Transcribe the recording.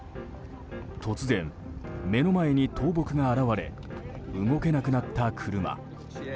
突然、目の前に倒木が現れ動けなくなった車。